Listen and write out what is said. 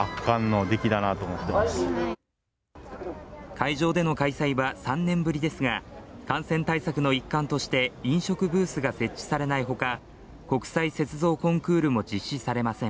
会場での開催は３年ぶりですが感染対策の一環として飲食ブースが設置されないほか、国際雪像コンクールも実施されません。